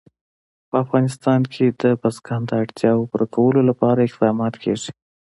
په افغانستان کې د بزګان د اړتیاوو پوره کولو لپاره اقدامات کېږي.